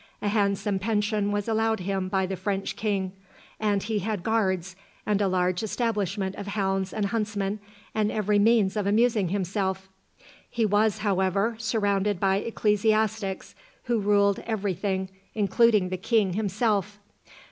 A handsome pension was allowed him by the French king, and he had guards, and a large establishment of hounds and huntsmen, and every means of amusing himself. He was, however, surrounded by ecclesiastics who ruled every thing, including the king himself.